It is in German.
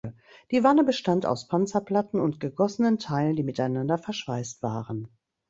Die Wanne bestand aus Panzerplatten und gegossenen Teilen, die miteinander verschweißt waren.